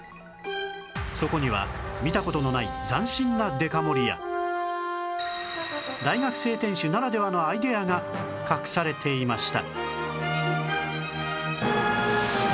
そこには見た事のない斬新なデカ盛りや大学生店主ならではのアイデアが隠されていました